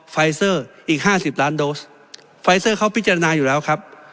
ไฟเซอร์อีกห้าสิบล้านโดสไฟเซอร์เขาพิจารณาอยู่แล้วครับ